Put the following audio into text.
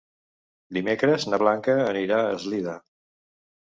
Dimecres na Blanca anirà a Eslida.